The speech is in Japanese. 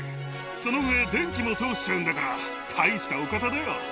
その上、電気も通しちゃうんだから、大したお方だよ。